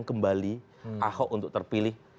kembali ahok untuk terpilih